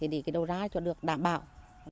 đồ ra cho được đảm bảo